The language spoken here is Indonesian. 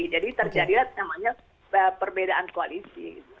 jadi terjadi perbedaan koalisi